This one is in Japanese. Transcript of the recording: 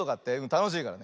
たのしいから。